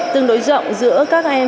tương đối rộng giữa các em